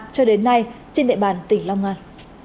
cho đến nay trên địa bàn tỉnh long an